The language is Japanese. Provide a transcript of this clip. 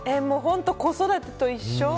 子育てと一緒。